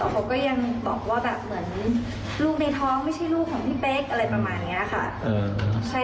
เขาก็ยังตอบว่าแบบเหมือนลูกในท้องไม่ใช่ลูกของพี่เป๊กอะไรประมาณนี้ค่ะ